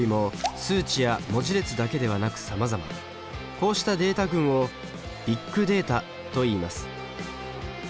こうしたデータ群をビッグデータといいます。